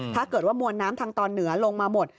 ถ้าเกิดว่ามวลน้ำทางตอนเหนือลงมาหมด